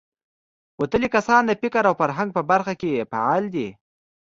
وتلي کسان د فکر او فرهنګ په برخه کې فعال دي.